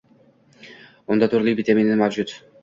Unda turli vitamini mavjud.